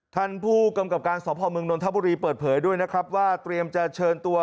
ท่านผู้กำกับการสพมนนทบุรีเปิดเผยด้วยนะครับว่าเตรียมจะเชิญตัว